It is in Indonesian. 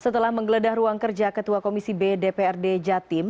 setelah menggeledah ruang kerja ketua komisi b dprd jatim